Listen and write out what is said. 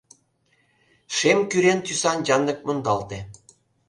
Шем-кӱрен тӱсан янлык мондалте.